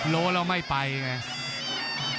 โลกเราไม่ไปไง